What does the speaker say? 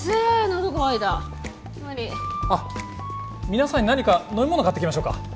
のど渇いたムリあっ皆さんに何か飲み物買ってきましょうか？